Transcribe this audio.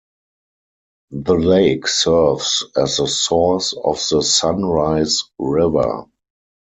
The lake serves as the source of the Sunrise River.